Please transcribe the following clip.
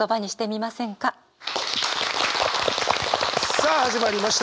さあ始まりました。